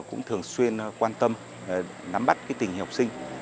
cũng thường xuyên quan tâm nắm bắt cái tình hình học sinh